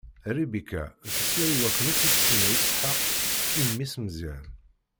Ribika tesla i wayen akk i s-inna Isḥaq i mmi-s Meẓyan.